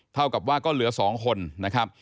เท่ากับว่าก็เหลือ๒คนนะครับ